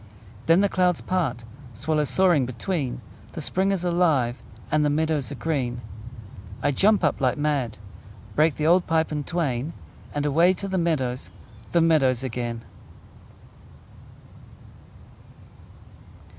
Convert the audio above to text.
Then the clouds part, Swallows soaring between; The spring is alive, And the meadows are green! I jump up like mad, Break the old pipe in twain, And away to the meadows, The meadows again!